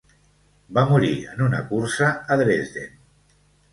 Va morir en una cursa a Dresden.